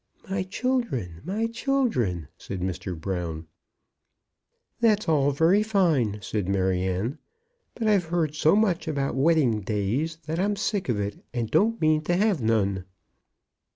"My children, my children!" said Mr. Brown. "That's all very fine," said Maryanne; "but I've heard so much about wedding days, that I'm sick of it, and don't mean to have none."